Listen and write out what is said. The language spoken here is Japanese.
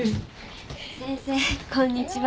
・先生こんにちは。